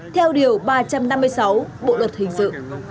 theo điều ba trăm năm mươi sáu bộ luật hình sự